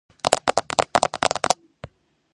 ლიზინი მიღებულია სინთეზურად.